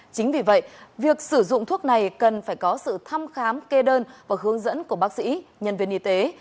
chính vì vậy việc sử dụng thuốc này cần phải có sự thăm khám kê đơn và hướng dẫn của bác sĩ nhân viên y tế